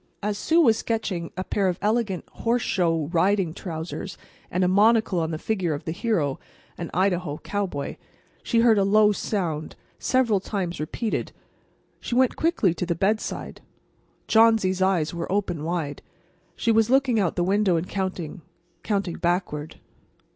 As Sue was sketching a pair of elegant horseshow riding trousers and a monocle on the figure of the hero, an Idaho cowboy, she heard a low sound, several times repeated. She went quickly to the bedside. Johnsy's eyes were open wide. She was looking out the window and counting—counting backward.